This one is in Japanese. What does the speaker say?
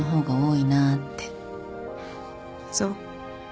そう。